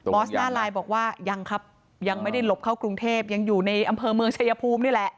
อสหน้าไลน์บอกว่ายังครับยังไม่ได้หลบเข้ากรุงเทพยังอยู่ในอำเภอเมืองชายภูมินี่แหละ